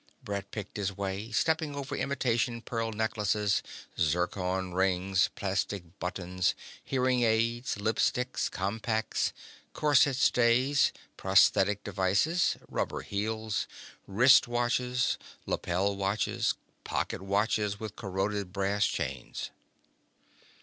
Brett picked his way, stepping over imitation pearl necklaces, zircon rings, plastic buttons, hearing aids, lipsticks, compacts, corset stays, prosthetic devices, rubber heels, wrist watches, lapel watches, pocket watches with corroded brass chains.